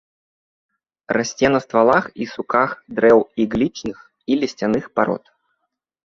Расце на ствалах і суках дрэў іглічных і лісцяных парод.